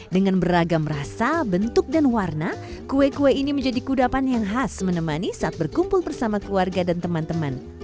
dengan beragam rasa bentuk dan warna kue kue ini menjadi kudapan yang khas menemani saat berkumpul bersama keluarga dan teman teman